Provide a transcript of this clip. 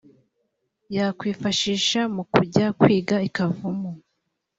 yakwifashisha mu kujya kwiga i kavumu .